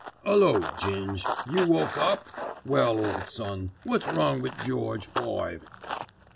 "'Ullo Ging, you woke up? Well ole son, wot's wrong wi' George Five?"